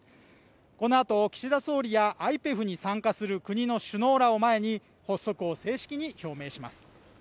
このあと岸田総理やＩＰＥＦに参加する国の首脳らとともに発足を正式に表明します。